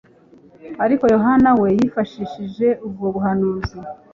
Ariko Yohana we yifashishije ubwo buhanuzi,